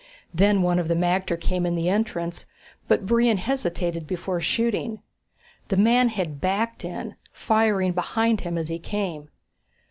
Then one of the magter came in the entrance, but Brion hesitated before shooting. The man had backed in, firing behind him as he came.